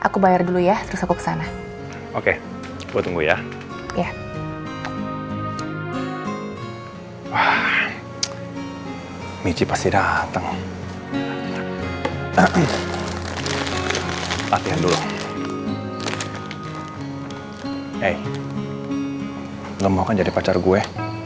kamu mau kan jadi pacar gue